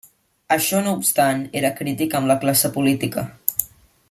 Això no obstant, era crític amb la classe política.